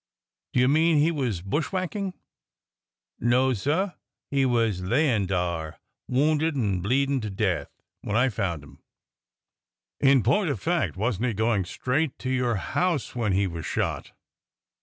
'' Do you mean he was bushwhacking ?" No, sir ; he was layin' dar, wounded an' bleedin' to death, when I found 'im." THE PROVOST MARSHAL 325 In point of fact, was n't he going straight to your house when he was shot